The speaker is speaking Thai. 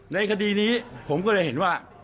ในคดีนี้ผมก็เลยเห็นว่า